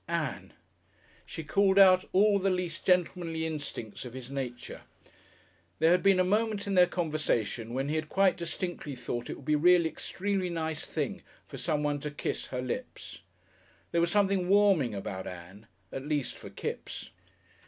Ann! She called out all the least gentlemanly instincts of his nature. There had been a moment in their conversation when he had quite distinctly thought it would really be an extremely nice thing for someone to kiss her lips.... There was something warming about Ann at least for Kipps.